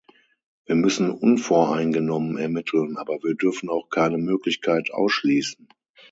Wir müssen unvoreingenommen ermitteln, aber wir dürfen auch keine Möglichkeit ausschließen.